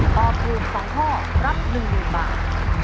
ตอบถูก๒ข้อรับ๑๐๐๐บาท